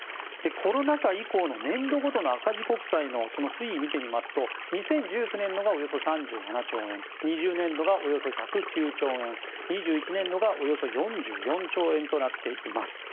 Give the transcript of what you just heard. コロナ禍以降の年度ごとの赤字国債の推移を見ていきますと２０１９年度がおよそ３７兆円２０年度がおよそ１０９兆円２１年がおよそ４４兆円となっています。